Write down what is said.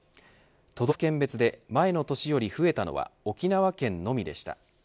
都道府県別で前の年より増えたのは沖縄県のみでした。